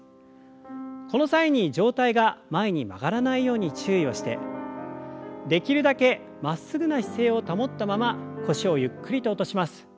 この際に上体が前に曲がらないように注意をしてできるだけまっすぐな姿勢を保ったまま腰をゆっくりと落とします。